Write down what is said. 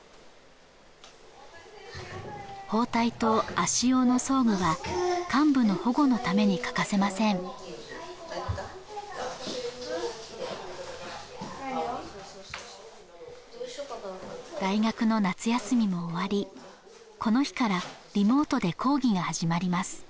包帯と足用の装具は患部の保護のために欠かせません大学の夏休みも終わりこの日からリモートで講義が始まります